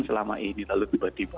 selama ini lalu tiba tiba